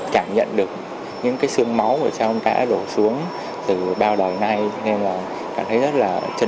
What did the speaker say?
chẳng nhận được những cái xương máu của chúng ta đã đổ xuống từ bao đời nay nên là cảm thấy rất là trân quý cũng như là cảm thấy rất là hạnh phúc cũng như là tự hào